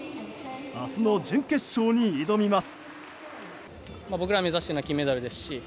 明日の準決勝に挑みます。